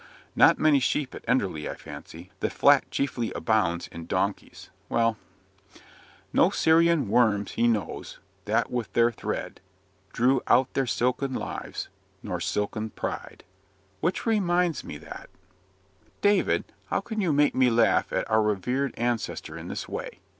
(Not many sheep at Enderley, I fancy; the Flat chiefly abounds in donkeys. Well ) 'No Serian worms he knows, that with their thread, Drew out their silken lives nor silken pride ' Which reminds me that " "David, how can you make me laugh at our reverend ancestor in this way?